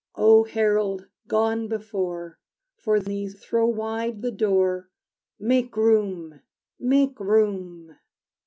O herald, gone before, For these throw wide the door, Make room, make room!